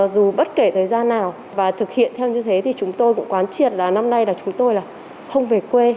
dù bất kể thời gian nào và thực hiện theo như thế thì chúng tôi cũng quán triệt là năm nay là chúng tôi là không về quê